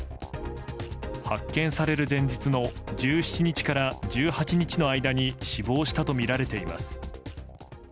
発見される前日の１７日から１８日の間に死亡したとみられています。